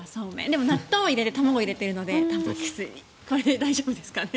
でも納豆を入れて卵を入れてるので、たんぱく質はこれで大丈夫ですかね。